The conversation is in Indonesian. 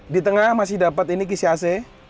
di tengah masih dapat ini kisi ac